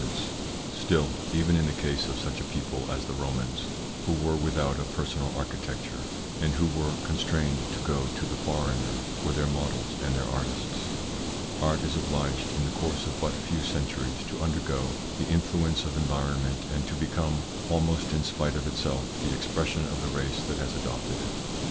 76 THE PSYCHOLOGY OF PEOPLES : Still, even in the case of such a people as the Romans, who were without a personal architecture, and who were constrained to go to the foreigner for their models and their artists, art is obliged in the course of but few centuries to undergo the influence of environment and to become, almost in spite of itself, the expression of the race that has adopted it.